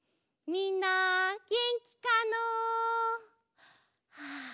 みんなげんきかの？はあ